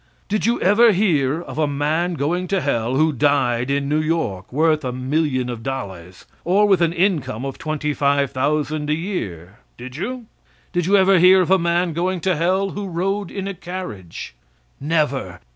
Did you ever hear of a man going to hell who died in New York worth a million of dollars, or with an income of twenty five thousand a year? Did you? Did you ever hear of a man going to hell who rode in a carriage? Never.